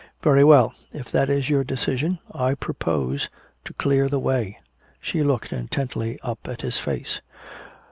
Very well, if that is your decision I propose to clear the way." She looked intently up at his face.